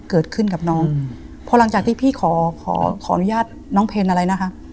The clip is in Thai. เกิดขึ้นกับน้องพอหลังจากที่พี่ขออนุญาตน้องเพลน